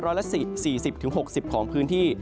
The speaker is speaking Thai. ร้อยละ๔๐๖๐ของพื้นที่